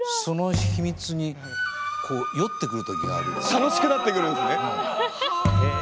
楽しくなってくるんですねはあ！